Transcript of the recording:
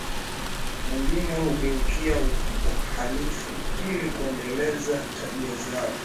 mwingine hugeukia uhalifu ili kuendeleza tabia zao